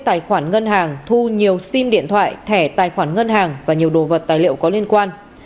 tài khoản ngân hàng thu nhiều sim điện thoại thẻ tài khoản ngân hàng và nhiều đồ vật tài liệu có liên quan